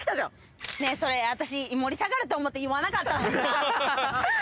ねぇそれ私盛り下がると思って言わなかったのにさ。